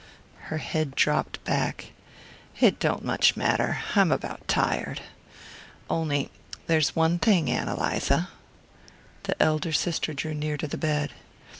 Her head dropped back. "It don't much matter I'm about tired. On'y there's one thing Ann Eliza " The elder sister drew near to the bed.